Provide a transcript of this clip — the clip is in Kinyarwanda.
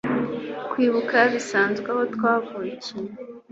Kwibuka bisanzwe aho twavukiye